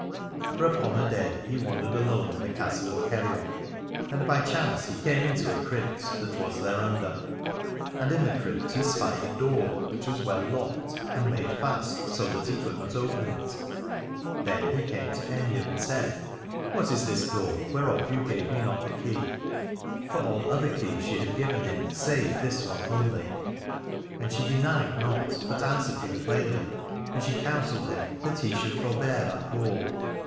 For upon a day he wandered alone in the 285 A] adore castle of Kerioc, and by chance he came into a crypt that was thereunder ; and in the crypt he spied a door, which was well locked and made fast so that he could not open it. Then he came to Aithne and said : What is this door, whereof you gave me not the key ? For all other keys she had given him save this one only. And she denied not, but answered him plainly, and she counselled him that he should forbear that door.